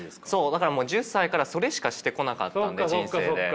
だからもう１０歳からそれしかしてこなかったので人生で。